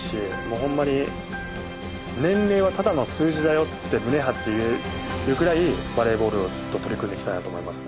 もうホンマに年齢はただの数字だよって胸張って言えるくらいバレーボールをずっと取り組んでいきたいなと思います。